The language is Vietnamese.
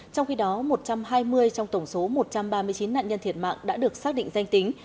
trong khi đó một trăm hai mươi trong tổng số một trăm ba mươi chín nạn nhân thiệt mạng đã được xác định danh tính